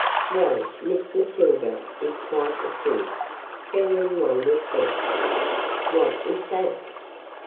"Well, Miss Matilda is quite as good—better in one respect." "What is that?"